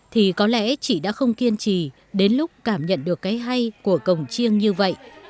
thì có lẽ chị đã không kiên trì đến lúc cảm nhận được cái hay của cổng chiêng như vậy